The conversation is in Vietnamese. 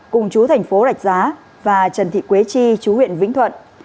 cùng chú thành phố rạch giá và trần thị quế chi chú huyện vĩnh thuận